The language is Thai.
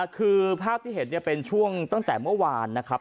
คือภาพที่เห็นเป็นช่วงตั้งแต่เมื่อวานนะครับ